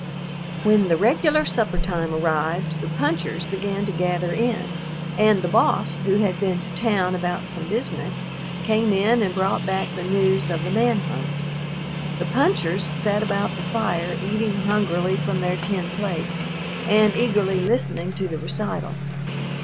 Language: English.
When the regular supper time arrived the punchers began to gather in, and the "boss," who had been to town about some business, came in and brought back the news of the man hunt. The punchers sat about the fire, eating hungrily from their tin plates and eagerly listening to the recital.